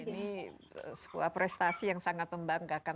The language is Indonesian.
ini sebuah prestasi yang sangat membanggakan